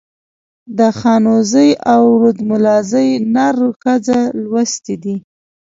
د خانوزۍ او رودملازۍ نر ښځه لوستي دي.